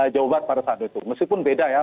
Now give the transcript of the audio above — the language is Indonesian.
jawa barat pada saat itu meskipun beda ya